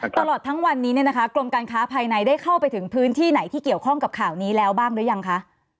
ตลอดทั้งวันนี้เนี่ยนะคะกรมการค้าภายในได้เข้าไปถึงพื้นที่ไหนที่เกี่ยวข้องกับข่าวนี้แล้วบ้างหรือยังคะ